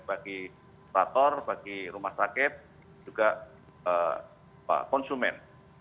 bagi operator bagi rumah sakit juga konsumen